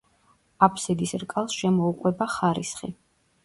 აბსიდის რკალს შემოუყვება ხარისხი.